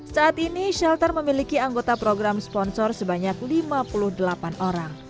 saat ini shelter memiliki anggota program sponsor sebagai pengadopsi anjing dan kucing